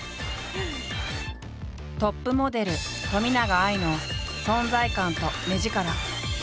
トップモデル冨永愛の存在感と目力。